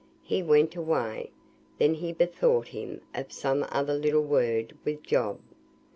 He went away, and then he bethought him of some other little word with Job.